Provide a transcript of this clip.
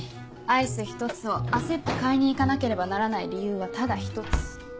アイス１つを焦って買いに行かなければならない理由はただ一つ。